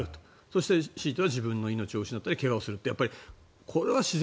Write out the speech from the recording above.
そこでひいては自分の命を失ったり怪我をする。